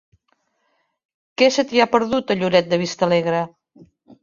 Què se t'hi ha perdut, a Lloret de Vistalegre?